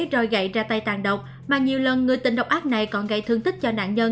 rồi gậy ra tay tàn độc mà nhiều lần người tình độc ác này còn gây thương tích cho nạn nhân